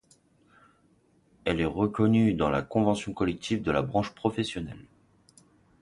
Elle est reconnue dans la convention collective de la branche professionnelle.